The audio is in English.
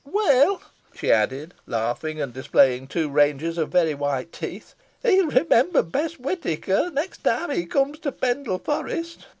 Weel," she added, laughing, and displaying two ranges of very white teeth, "he'll remember Bess Whitaker, t' next time he comes to Pendle Forest."